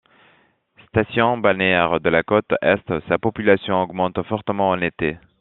Station balnéaire de la côte Est, sa population augmente fortement en été.